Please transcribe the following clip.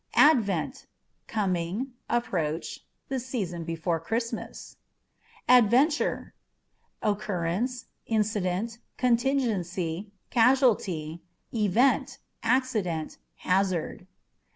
Adventâ€" coming, approach ; the season before Christmas. Adventure â€" occurrence, incident, contingency, casualty, event, accident, hazard.